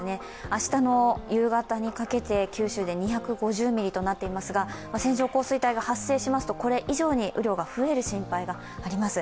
明日の夕方にかけて九州で２５０ミリとなっていますが、線状降水帯が発生しますとこれ以上に雨量が増える可能性があります。